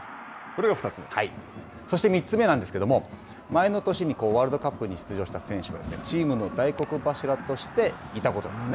そして３つ目なんですけれども、前の年にワールドカップに出場した選手がチームの大黒柱としていたことなんですね。